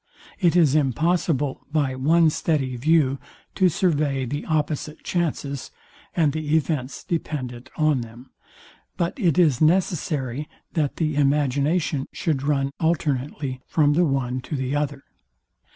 It is impossible by one steady view to survey the opposite chances, and the events dependent on them; but it is necessary, that the imagination should run alternately from the one to the other.